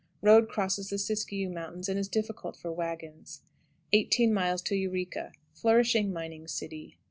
Road crosses the Siskiyou Mountains, and is difficult for wagons. 18. Yreka. Flourishing mining city.